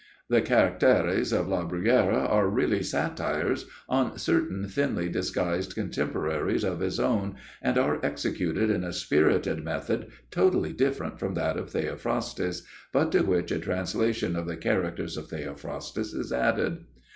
The caractères of La Bruyère are really satires on certain thinly disguised contemporaries of his own and are executed in a spirited method totally different from that of Theophrastus, but to which a translation of The Characters of Theophrastus is added.